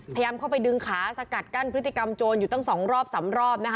พยายามเข้าไปดึงขาสกัดกั้นพฤติกรรมโจรอยู่ตั้ง๒รอบ๓รอบนะคะ